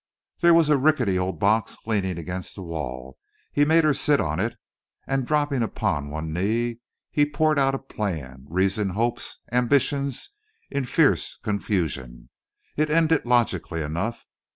There was a rickety old box leaning against the wall; he made her sit on it, and dropping upon one knee, he poured out plan, reason, hopes, ambitions in fierce confusion. It ended logically enough.